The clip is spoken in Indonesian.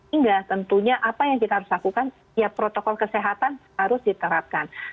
hingga tentunya apa yang kita harus lakukan ya protokol kesehatan harus diterapkan